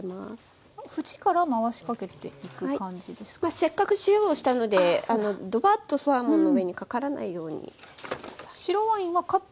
まあせっかく塩をしたのでどばっとサーモンの上にかからないようにして下さい。